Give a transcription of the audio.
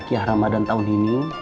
sakyah ramadan tahun ini